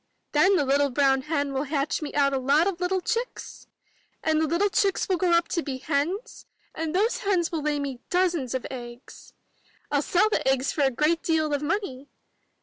Then the little brown hen will hatch me out a lot of little chicks ! And the little chicks will grow up to be hens, and those hens will lay me dozens of eggs. TU sell the eggs for a great deal of money!